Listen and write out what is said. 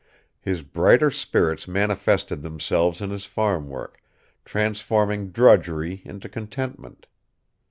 His brighter spirits manifested themselves in his farm work, transforming drudgery into contentment.